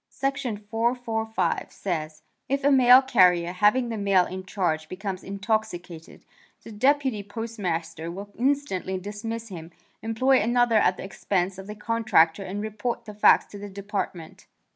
Section 445 says: "If a mail carrier having the mail in charge becomes intoxicated, the Deputy Postmaster will instantly dismiss him, employ another at the expense of the contractor and report the facts to the Department."